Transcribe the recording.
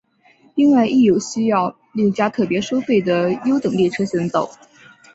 另外亦有需要另加特别收费的优等列车行走。